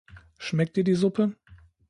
Schmeckt dir die Suppe?